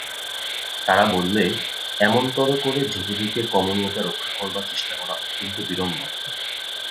তারা বললে, এমনতরো করে ঢেকেঢুকে কমনীয়তা রক্ষা করবার চেষ্টা করা অত্যন্ত বিড়ম্বনা।